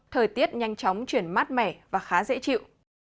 thời tiết nhanh chóng chuyển mát mẻ và khá dễ chịu